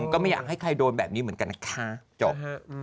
ก็ไม่อยากให้ใครโดนแบบนี้เหมือนกันนะคะจบ